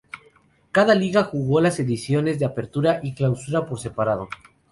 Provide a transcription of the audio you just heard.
Cada liga jugó las ediciones de Apertura y Clausura por separado.